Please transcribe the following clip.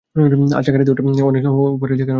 আচ্ছা, গাড়িতে উঠে পরো ওকে জায়গাটা অনেক সুন্দর।